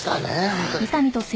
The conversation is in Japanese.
本当に。